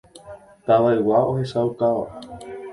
Tavaygua ohechaukáva.